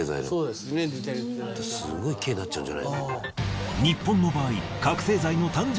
すごい刑になっちゃうんじゃ。